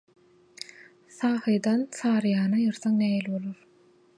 Sahydan «Saryýany» aýyrsaň nähili bolar?